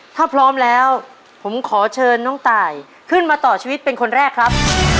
ถ้าพร้อมแล้วผมขอเชิญน้องตายขึ้นมาต่อชีวิตเป็นคนแรกครับ